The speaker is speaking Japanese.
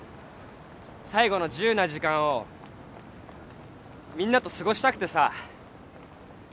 最後の自由な時間をみんなと過ごしたくてさ。